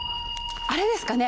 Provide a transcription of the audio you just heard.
あれですかね